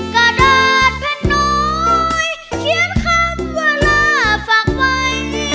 กระดาษแผ่นน้อยเขียนคำว่าลาฝากไว้